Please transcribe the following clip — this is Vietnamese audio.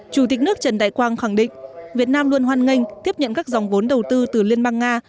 chủ tịch nước trần đại quang khẳng định việt nam luôn hoan nghênh tiếp nhận các dòng vốn đầu tư từ liên bang nga